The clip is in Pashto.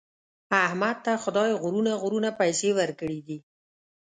احمد ته خدای غرونه غرونه پیسې ورکړي دي.